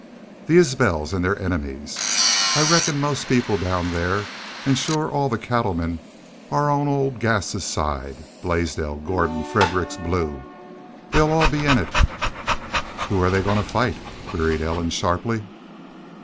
"The Isbels an' their enemies. I reckon most people down thar, an' sure all the cattlemen, air on old Gass's side. Blaisdell, Gordon, Fredericks, Blue they'll all be in it." "Who are they goin' to fight?" queried Ellen, sharply.